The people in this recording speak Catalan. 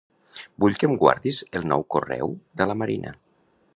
Vull que em guardis el nou correu de la Marina.